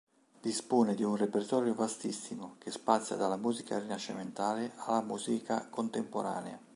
Dispone di un repertorio vastissimo, che spazia dalla musica rinascimentale alla musica contemporanea.